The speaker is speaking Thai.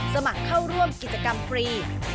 สมัครเข้าร่วมกิจกรรมฟรี